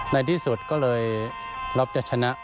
ในที่สุดก็เลยล็อปจะชนะ